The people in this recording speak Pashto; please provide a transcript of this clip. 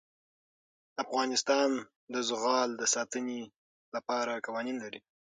افغانستان د زغال د ساتنې لپاره قوانین لري.